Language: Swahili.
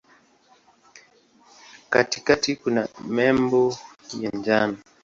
Katikati kuna nembo ya njano.